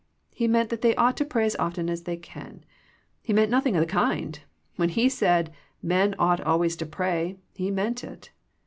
He meant that they ought to pray as often as they can. He meant nothing of the kind. When He said, "Men ought always to pray," He meant it.